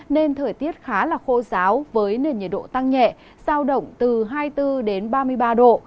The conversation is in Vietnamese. nên thời tiết khá là khô giáo với nền nhiệt độ tăng nhẹ giao động từ hai mươi bốn ba mươi ba độ